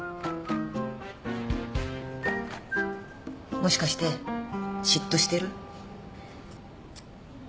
もしかして嫉妬してる？